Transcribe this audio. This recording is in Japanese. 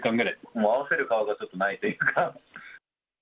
もう合わせる顔がちょっとないというか。